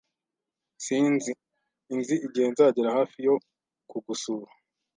Sinzi inzi igihe nzagera hafi yo kugusura